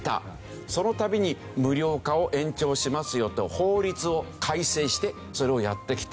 その度に無料化を延長しますよと法律を改正してそれをやってきた。